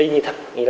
y như thật